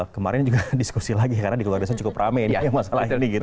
kemarin juga diskusi lagi karena di keluarga saya cukup rame masalah ini gitu